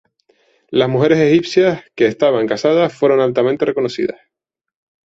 Las mujeres egipcias que estaban casadas fueron altamente reconocidas.